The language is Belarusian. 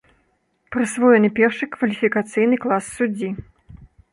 Прысвоены першы кваліфікацыйны клас суддзі.